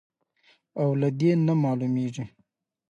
او له دې نه معلومېږي،